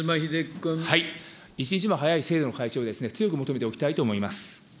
一日も早い制度の改正を強く求めておきたいと思います。